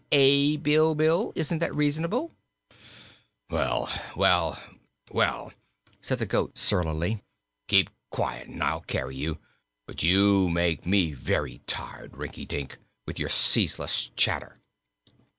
Eh, Bilbil, isn't that reasonable?" "Well, well, well," said the goat, surlily, "keep quiet and I'll carry you. But you make me very tired, Rinkitink, with your ceaseless chatter."